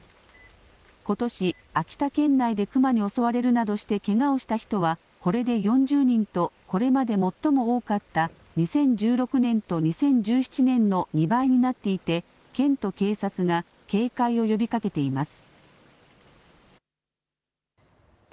ことし秋田県内でクマに襲われるなどしてけがをした人はこれで４０人とこれまで最も多かった２０１６年と２０１７年の２倍になっていて県と警察が警戒を呼びかけています。